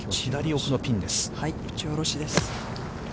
打ち下ろしです。